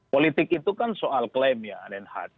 politik itu kan soal klaim ya anen had